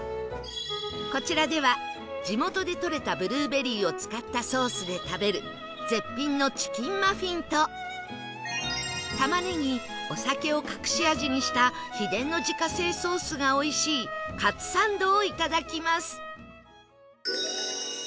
こちらでは地元でとれたブルーベリーを使ったソースで食べる絶品のチキンマフィンと玉ねぎお酒を隠し味にした秘伝の自家製ソースが美味しいカツサンドを頂きます